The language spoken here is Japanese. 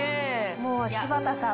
もう柴田さん。